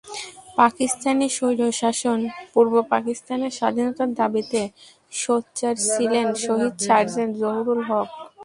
পাকিস্তানি স্বৈরশাসন, পূর্ব পাকিস্তানের স্বাধীনতার দাবিতে সোচ্চার ছিলেন শহীদ সার্জেন্ট জহুরুল হক।